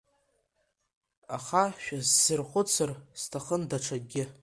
Аха шәазсырхәыцырц сҭахын даҽакгьы.